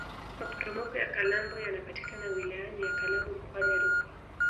maporomoko ya kalambo yanapatikana wilaya ya kalambo mkoani rukwa